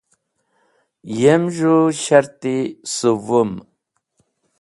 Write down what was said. Yem z̃hũ shart-e suwwum.